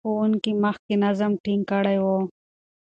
ښوونکي مخکې نظم ټینګ کړی و.